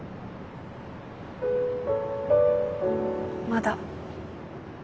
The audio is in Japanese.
まだ。